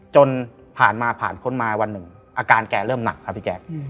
จนผ่านมาผ่านพ้นมาวันหนึ่งอาการแกเริ่มหนักครับพี่แจ๊ค